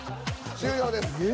終了です。